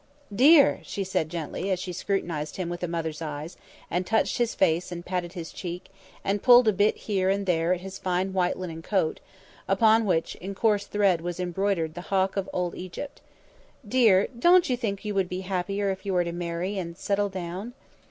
"Dear!" she said gently, as she scrutinised him with a mother's eyes and touched his face and patted his cheek and pulled a bit here and there at his fine white linen coat, upon which in coarse thread was embroidered the Hawk of Old Egypt. "Dear! don't you think you would be happier if you were to marry and settle down?"